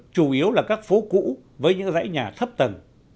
chủ yếu là các phố cũ với những dãy nhà thấp tầng